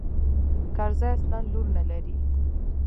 کرزى اصلاً لور نه لري.